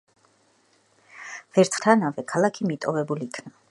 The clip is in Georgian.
ვერცხლის მარაგების ამოწურვისთანავე, ქალაქი მიტოვებულ იქნა.